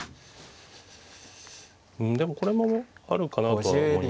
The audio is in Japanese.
でもこれもあるかなとは思いますね。